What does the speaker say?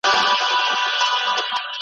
دا دي كور دى دا دي اور `